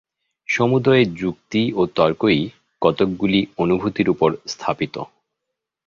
সমুদয় যুক্তি ও তর্কই কতকগুলি অনুভূতির উপর স্থাপিত।